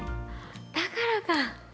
だからか！